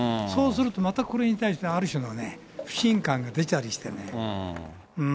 そうするとまたこれに対して、ある種の不信感が出たりしてね。